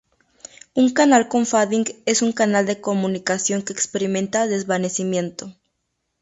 Un canal con fading es un canal de comunicación que experimenta desvanecimiento.